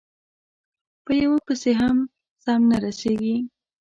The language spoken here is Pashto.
په یوه پسې هم سم نه رسېږي،